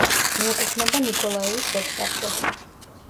მიეკუთვნება ნიკოლაევის სოფსაბჭოს.